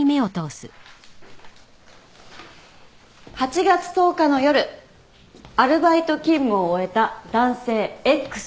８月１０日の夜アルバイト勤務を終えた男性Ｘ